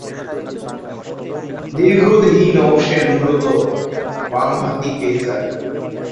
দীর্ঘদেহী নওশের মূলতঃ বামহাতি পেসার।